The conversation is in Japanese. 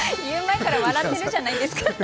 言う前から笑ってるじゃないですか。